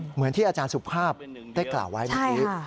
เหมือนที่อาจารย์สุภาพได้กล่าวไว้เมื่อกี้